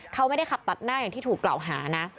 เขาไม่ได้ขับตัดหน้าอย่างที่ถูกกล่าวหานะ